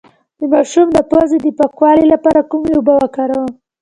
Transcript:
د ماشوم د پوزې د پاکوالي لپاره کومې اوبه وکاروم؟